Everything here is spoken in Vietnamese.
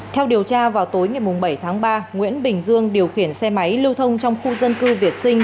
theo điều tra vào tối ngày bảy tháng ba nguyễn bình dương điều khiển xe máy lưu thông trong khu dân cư việt sinh